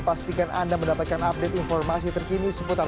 pastikan anda mendapatkan update informasi terkini seputar